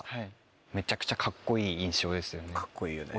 めちゃくちゃカッコいい印象ですよね。